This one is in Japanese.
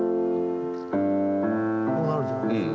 こういうのあるじゃないですか。